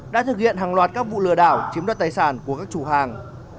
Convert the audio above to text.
đã thực hiện hàng loạt các vụ lừa đảo chiếm đoạt tài sản của các chủ hàng